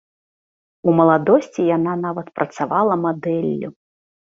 У маладосці яна нават працавала мадэллю.